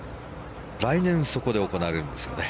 来年、そこで行われるんですよね。